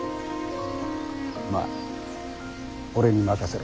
まあ俺に任せろ。